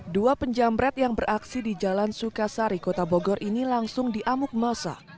dua penjamret yang beraksi di jalan sukasari kota bogor ini langsung diamuk masa